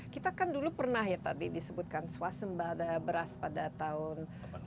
kita kan dulu pernah ya tadi disebutkan swas sembah ada beras pada tahun delapan puluh empat